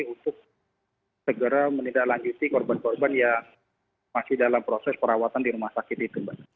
untuk segera menindaklanjuti korban korban yang masih dalam proses perawatan di rumah sakit itu mbak